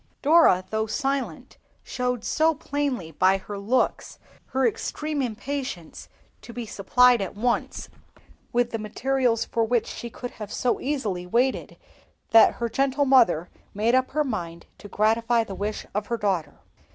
Dora, though silent, showed so plainly by her looks her extreme impatience to be supplied at once with the materials for which she could have so easily waited that her gentle mother made up her mind to gratify the wish of her daughter.